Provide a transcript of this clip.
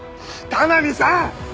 田波さん！